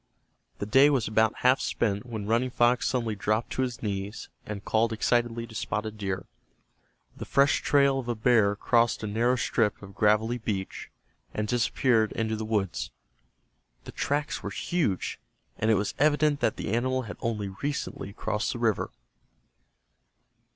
The day was about half spent when Running Fox suddenly dropped to his knees, and called excitedly to Spotted Deer. The fresh trail of a bear crossed a narrow strip of gravelly beach and disappeared into the woods. The tracks were huge, and it was evident that the animal had only recently crossed the river.